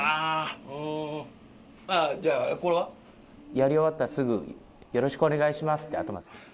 やり終わったらすぐ「よろしくお願いします」って頭下げて。